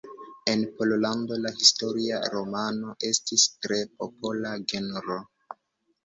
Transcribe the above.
En Pollando la historia romano estis tre popola genro.